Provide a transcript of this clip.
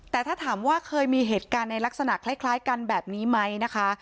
แต่ถ้าถามว่าเคยมีเหตุการณ์ในลักษณะคล้ายกันแบบนี้ไหมนะคะ